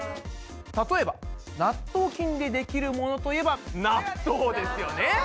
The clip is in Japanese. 例えば納豆菌でできるものといえば納豆ですよね。